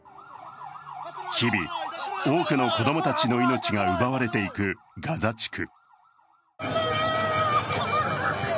日々多くの子供たちの命が奪われていくガザ地区。